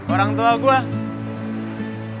orang tua gue